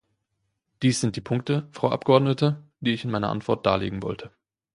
Dies sind die Punkte, Frau Abgeordnete, die ich in meiner Antwort darlegen wollte.